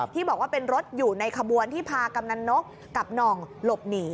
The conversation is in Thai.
ที่บอกว่าเป็นรถอยู่ในขบวนที่พากำนันนกกับหน่องหลบหนี